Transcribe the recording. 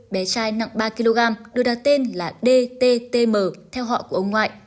bé trai nặng ba kg đưa đặt tên là dttm theo họ của ông ngoại